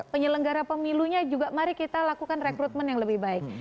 penyelenggara pemilunya juga mari kita lakukan rekrutmen yang lebih baik